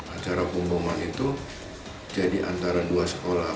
acara pemboman itu jadi antara dua sekolah